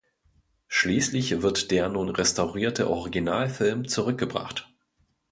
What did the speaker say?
Schließlich wird der nun restaurierte Originalfilm zurückgebracht.